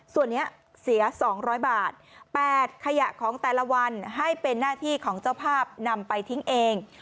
ส่วนนี้เสีย๒๐๐บาท๘ขยะของแต่ละวันให้เป็นหน้าที่ของเจ้าภาพนำไปทิ้งเอง